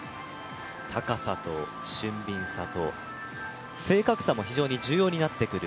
高さと俊敏さと正確さも非常に重要になってくる